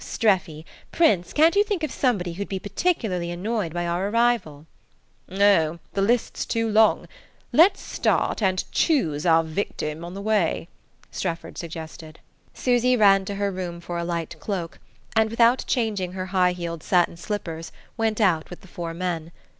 Streffy, Prince, can't you think of somebody who'd be particularly annoyed by our arrival?" "Oh, the list's too long. Let's start, and choose our victim on the way," Strefford suggested. Susy ran to her room for a light cloak, and without changing her high heeled satin slippers went out with the four men.